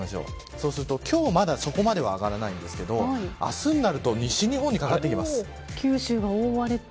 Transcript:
そうすると、今日は、まだそこまでは上がらないんですが明日になると西日本にかかってきます。